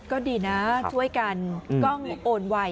ก็ดีนะช่วยกันกล้องโอนไว